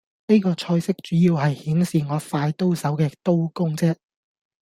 呢個菜式主要係顯示我快刀手嘅刀工啫